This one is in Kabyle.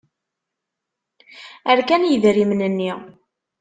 Rkan yidrimen-nni.